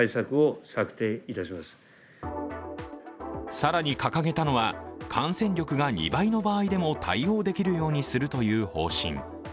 更に掲げたのは、感染力が２倍の場合でも対応できるようにするという方針。